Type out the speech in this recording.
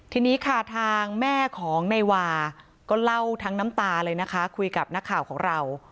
ทีนี้ค่ะทางแม่ของนายวาก็เล่าทั้งน้ำตาเลยนะคะคุยกับนักข่าวของเรา